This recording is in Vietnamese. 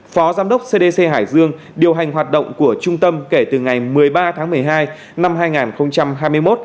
phó giám đốc cdc hải dương điều hành hoạt động của trung tâm kể từ ngày một mươi ba tháng một mươi hai năm hai nghìn hai mươi một